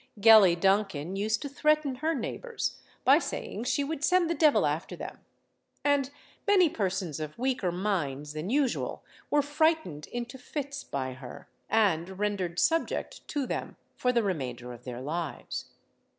Gellie Duncan used to threaten her neighbours by saying she would send the devil after them; and many persons of weaker minds than usual were frightened into fits by her, and rendered subject to them for the remainder of their lives.